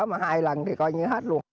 mà hai lần thì coi như hết luôn